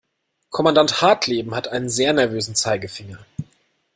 Kommandant Hartleben hat einen sehr nervösen Zeigefinger.